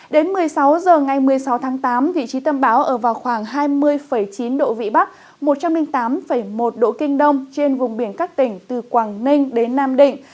đến một mươi sáu h ngày một mươi sáu tháng tám vị trí tâm bão ở vào khoảng hai mươi chín độ vĩ bắc một trăm linh tám một độ kinh đông trên vùng biển các tỉnh từ quảng ninh đến nam định